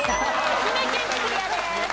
愛媛県クリアです。